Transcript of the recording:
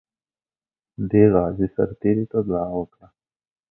دې غازي سرتیري ته دعا وکړه.